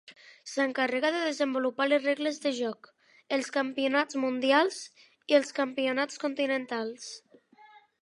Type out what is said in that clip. S'encarrega de desenvolupar les regles de joc, els campionats mundials i els campionats continentals.